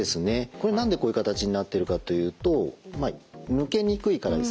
これ何でこういう形になってるかというと抜けにくいからですね。